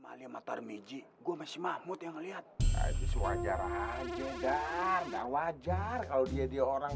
malia matarmidji gua masih mahmud yang lihat aja sewajar aja enggak wajar kalau dia dia orang